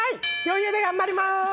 余裕で頑張りまーす」